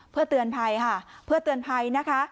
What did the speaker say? เพื่อเตือนภัยนะคะ